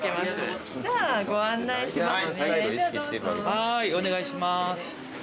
はーいお願いしまーす。